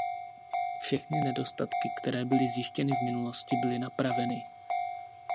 Všechny nedostatky, které byly zjištěny v minulosti, byly napraveny.